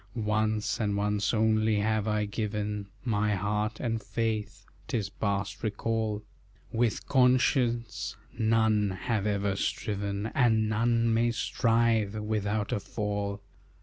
"Once, and once only, have I given My heart and faith 'tis past recall; With conscience none have ever striven, And none may strive, without a fall.